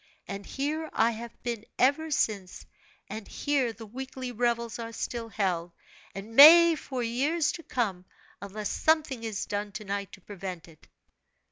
And here I have been ever since, and here the weekly revels are still held, and may for years to come, unless something is done to night to prevent it.